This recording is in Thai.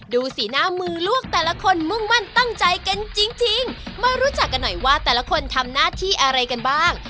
ดูสีหน้ามือลวกแต่ละคนมุ่งมั่นตั้งใจกันจริงมารู้จักกันหน่อยว่าแต่ละคนทำหน้าที่อะไรกันบ้าง